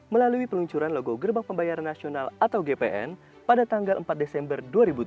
melalui peluncuran logo gerbang pembayaran nasional atau gpn pada tanggal empat desember dua ribu tujuh belas